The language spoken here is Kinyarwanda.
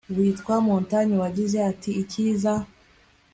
witwa Montaigne wagize ati icyiza